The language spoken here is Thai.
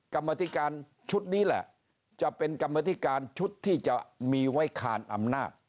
กรรมธิการชุดนี้แหละจะเป็นกรรมธิการชุดที่จะมีไว้คานอำนาจ